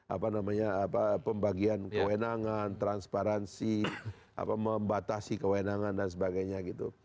apa namanya pembagian kewenangan transparansi membatasi kewenangan dan sebagainya gitu